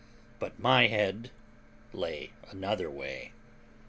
But my head lay another way.